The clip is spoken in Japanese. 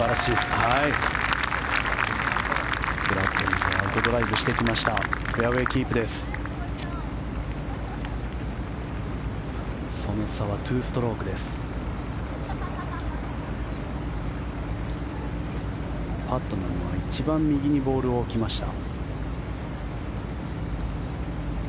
パットナムは一番右にボールを置きました。